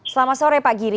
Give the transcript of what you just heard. selamat sore pak giri